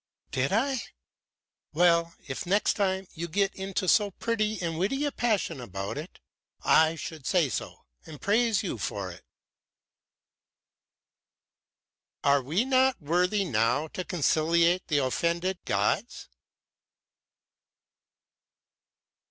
"Did I? Well, if next time you get into so pretty and witty a passion about it, I shall say so and praise you for it." "Are we not worthy now to conciliate the offended gods?"